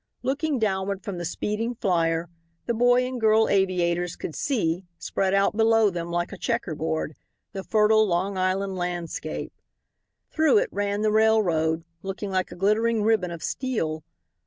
Looking downward from the speeding flyer the boy and girl aviators could see, spread out below them like a checkerboard, the fertile Long Island landscape. Through it ran the railroad, looking like a glittering ribbon of steel.